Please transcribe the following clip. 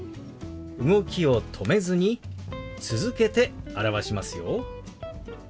動きを止めずに続けて表しますよ。